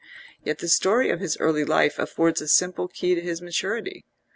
Yet the story of his early life affords a simple key to his maturity.